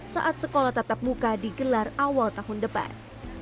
saat sekolah tatap muka digelar awal tahun depan